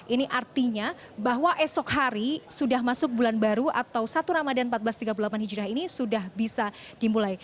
ini artinya bahwa esok hari sudah masuk bulan baru atau satu ramadan seribu empat ratus tiga puluh delapan hijrah ini sudah bisa dimulai